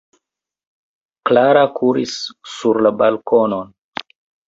Klara kuris sur la balkonon.